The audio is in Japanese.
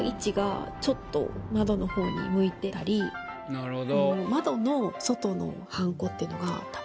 なるほど。